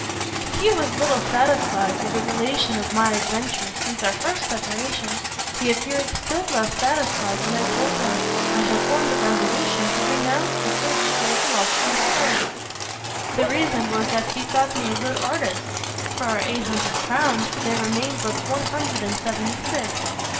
If he was little satisfied with the relation of my adventures since our first separation, he appeared still less satisfied when I told him I had formed a resolution to renounce the search for the philosopher's stone. The reason was that he thought me a good artist. Of our eight hundred crowns, there remained but one hundred and seventy six.